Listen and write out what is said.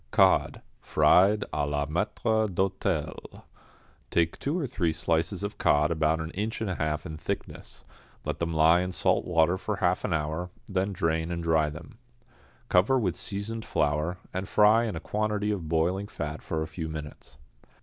=Cod, Fried à la Maître d'Hôtel.= Take two or three slices of cod about an inch and a half in thickness, let them lie in salt water for half an hour, then drain and dry them. Cover with seasoned flour, and fry in a quantity of boiling fat for a few minutes.